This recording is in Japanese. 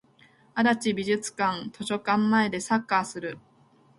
足立美術館図書館前でサッカーする